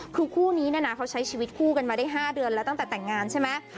คือคู่นี้เนี่ยนะเขาใช้ชีวิตคู่กันมาได้๕เดือนแล้วตั้งแต่แต่งงานใช่ไหม